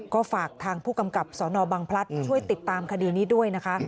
ก็ฝากทางผู้กำกับสนบังพลัดช่วยติดตามคดีนี้ด้วยนะคะ